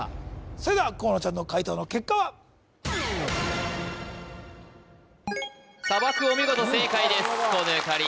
それでは河野ちゃんの解答の結果は砂漠お見事正解です河野ゆかり